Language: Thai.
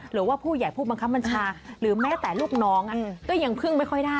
หรือว่าผู้ใหญ่ผู้บังคับบัญชาหรือแม้แต่ลูกน้องก็ยังพึ่งไม่ค่อยได้